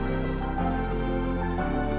tapi piecesnya alam tetap berbahaya